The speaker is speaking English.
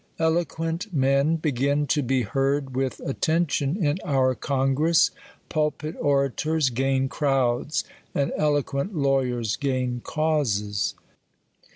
Eloquent men begin to be hear(^with attention in our Congress; pulpit orators gain crowds, and eloquent lawyers gain causes.